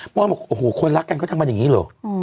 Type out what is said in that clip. น้องก็บอกโอ้โหคนรักกันก็ทำแบบนี้หรอ